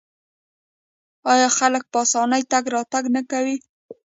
آیا خلک په اسانۍ تګ راتګ نه کوي؟